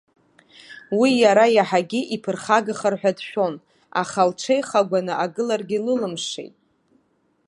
Уи иара иаҳагьы иԥырхагахар ҳәа дшәон, аха лҽеихагәаны агыларагьы лылымшеит.